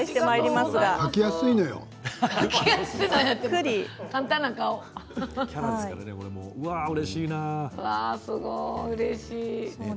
すごい、うれしい。